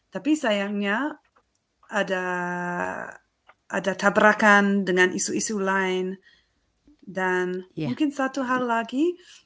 tapi sayangnya ada tabrakan dengan isu isu lain dan mungkin satu hal lagi